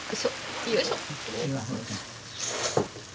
よいしょ。